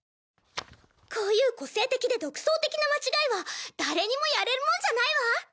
こういう個性的で独創的な間違いは誰にもやれるもんじゃないわ。